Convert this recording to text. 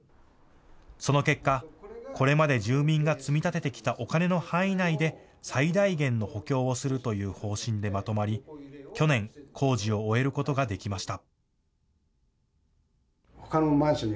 その結果、これまで住民が積み立ててきたお金の範囲内で最大限の補強をするという方針でまとまり、去年、工事を終えることができました。